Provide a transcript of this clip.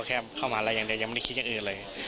แค่เข้ามาอะไรอย่างเดียวยังไม่ได้คิดอย่างอื่นเลย